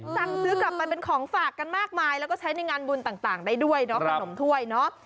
สั่งซื้อกลับไปเป็นของฝากกันมากมายแล้วก็ใช้ในงานบุญต่างได้ด้วยเนาะขนมถ้วยเนาะ